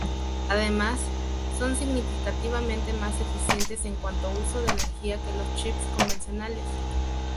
Además, son significativamente más eficientes en cuanto uso de energía que los chips convencionales.